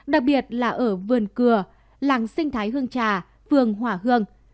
đặc biệt là ở vườn cừa làng sinh thái hương trà vườn hỏa hương